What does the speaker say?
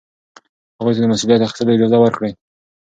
هغوی ته د مسؤلیت اخیستلو اجازه ورکړئ.